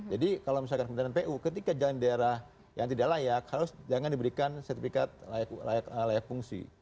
jadi kalau misalkan kekementrian pu ketika jalan di daerah yang tidak layak harus jangan diberikan sertifikat layak fungsi